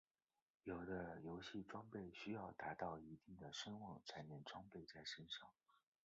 有的游戏装备需要达到一定的声望才能装备在身上。